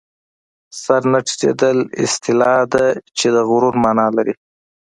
سر نه ټیټېدل اصطلاح ده چې د غرور مانا لري